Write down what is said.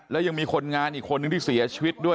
มากว่ารายงานอีกคนนึงที่เสียชวิตด้วย